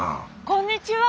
こんにちは！